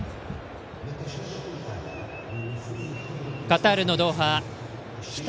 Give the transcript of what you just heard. カタールのドーハ北